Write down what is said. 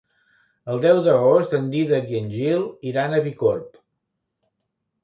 El deu d'agost en Dídac i en Gil iran a Bicorb.